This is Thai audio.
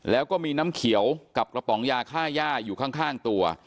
แล้วก็มีน้ำเขียวกับกระป๋องยาค่าย่าอยู่ข้างตัว